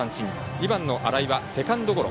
２番、新井はセカンドゴロ。